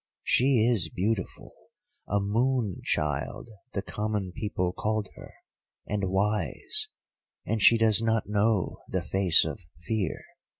She is beautiful, a Moon child the common people called her, and wise, and she does not know the face of fear.